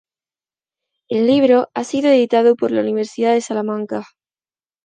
El libro ha sido editado por la Universidad de Salamanca.